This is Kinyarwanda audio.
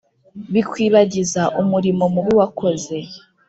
Bikwibagize umurimo mubi wakoze